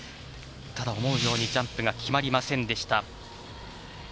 ただ思うようにジャンプが決まりませんでした。